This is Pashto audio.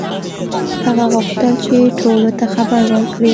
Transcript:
هغه غوښتل چې ټولو ته خبر وکړي.